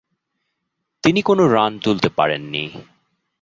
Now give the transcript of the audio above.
তিনি কোন রান তুলতে পারেননি।